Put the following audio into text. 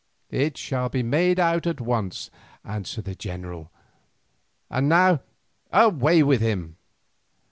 "It shall be made out at once," answered the general. "And now away with him."